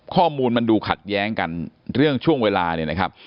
ข้อมูลมันดูขัดแย้งกันเรื่องช่วงเวลา